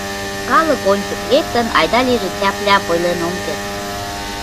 Калык ончык лектын, айда-лийже, тяп-ляп ойлен ом керт.